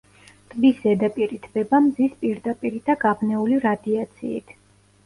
ტბის ზედაპირი თბება მზის პირდაპირი და გაბნეული რადიაციით.